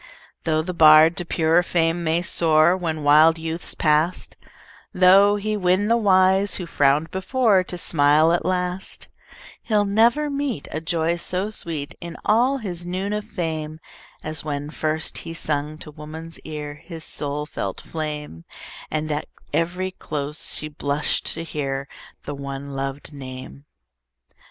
Tho' the bard to purer fame may soar, When wild youth's past; Tho' he win the wise, who frowned before, To smile at last; He'll never meet A joy so sweet, In all his noon of fame, As when first he sung to woman's ear His soul felt flame, And, at every close, she blushed to hear The one lov'd name.